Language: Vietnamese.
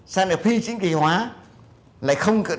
sao lại phi chính kỳ hóa